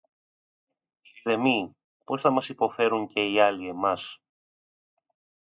Ειδεμή πώς θα μας υποφέρουν και οι άλλοι εμάς;